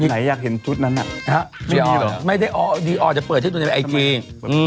ไหนอยากเห็นชุดนั้นอ่ะดีออร์ไม่ได้ดีออร์ดีออร์จะเปิดชุดในไอจีง